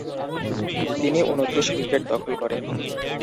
তিনি ঊনত্রিশ উইকেট দখল করেন।